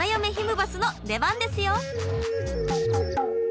バスの出番ですよ！